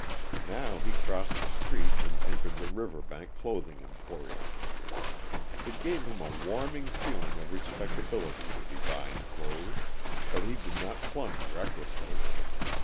Now he crossed the street and entered the Riverbank Clothing Emporium. It gave him a warming feeling of respectability to be buying clothes, but he did not plunge recklessly.